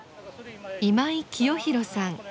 今井清博さん。